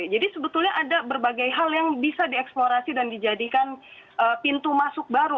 jadi sebetulnya ada berbagai hal yang bisa dieksplorasi dan dijadikan pintu masuk baru